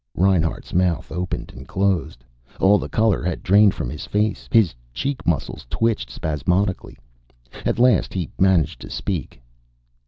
Reinhart's mouth opened and closed. All the color had drained from his face. His cheek muscles twitched spasmodically. At last he managed to speak.